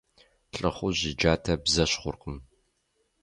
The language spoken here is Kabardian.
ЛӀыхъужь и джатэ бзэщхъуркъым.